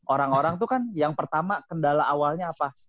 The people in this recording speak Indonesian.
orang orang itu kan yang pertama kendala awalnya apa